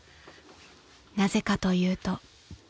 ［なぜかというと］